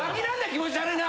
気持ち悪いな。